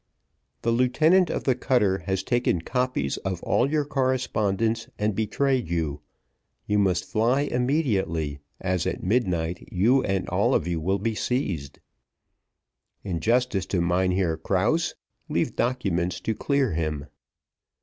"The lieutenant of the cutter has taken copies of all your correspondence and betrayed you. You must fly immediately, as at midnight you and all of you will be seized. In justice to Mynheer Krause, leave documents to clear him.